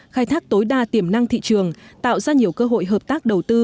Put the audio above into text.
khai thác tối đa tiềm năng thị trường tạo ra nhiều cơ hội hợp tác đầu tư